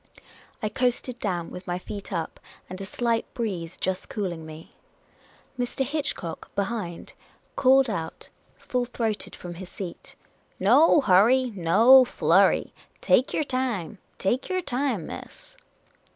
I coasted down, with my feet up, and a slight breeze just cooling me. Mr. Hitchcock, behind, called out, full 84 Miss Cay ley's Adventures throated, from his seat :" No hurry ! No flurry ! Take your time ! Take — your — time, miss